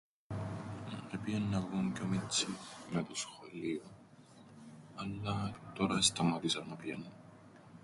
Επήαιννα που ήμουν πιο μιτσής με το σχολείον, αλλά τωρά εταμάτησα να πηαίννω.